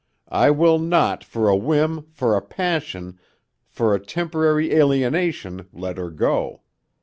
I will not for a whim, for a passion, for a temporary alienation, let her go.